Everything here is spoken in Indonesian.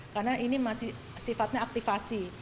karena ini masih sifatnya aktivasi